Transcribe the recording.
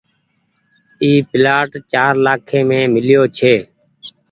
اي پلآٽ چآر لآکي مين ميليو ڇي ۔